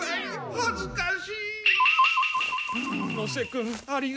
はずかしい。